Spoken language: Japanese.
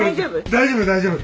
大丈夫大丈夫。